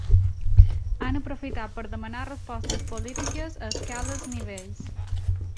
Han aprofitat per demanar respostes polítiques a escales nivells.